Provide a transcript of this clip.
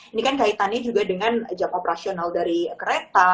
ini kan kaitannya juga dengan jam operasional dari kereta